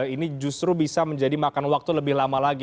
ini justru bisa menjadi makan waktu lebih lama lagi